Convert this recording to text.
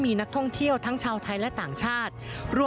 บริเวณหน้าสารพระการอำเภอเมืองจังหวัดลบบุรี